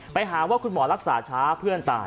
ไปหาว่าคุณหมอรักษาช้าเพื่อนตาย